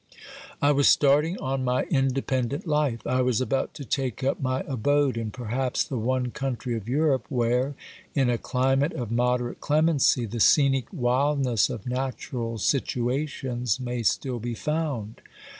I was starting on my independent life. I was about to take up my abode in perhaps the one country of Europe where, in a climate of moderate clemency, the scenic wild ness of natural situations may still be found.